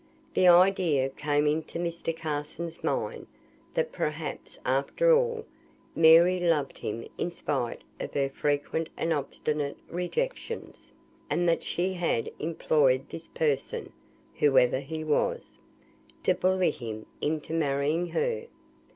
The idea came into Mr. Carson's mind, that perhaps, after all, Mary loved him in spite of her frequent and obstinate rejections; and that she had employed this person (whoever he was) to bully him into marrying her.